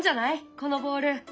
このボール。